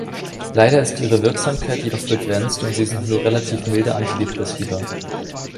Leider ist ihre Wirksamkeit jedoch begrenzt und sie sind nur relativ milde Antidepressiva.